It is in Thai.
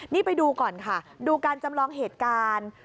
นี่ไปดูก่อนค่ะดูการจำลองเหตุการณ์